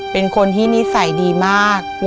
เป็นคนที่นิสัยดีมาก